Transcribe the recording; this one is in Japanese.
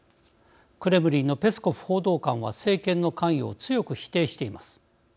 クレムリンのペスコフ報道官は政権の関与を強く否定しています。